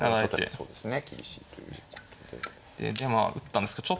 ああそうですね